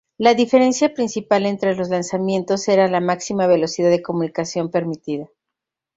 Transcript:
La diferencia principal entre los lanzamientos era la máxima velocidad de comunicación permitida.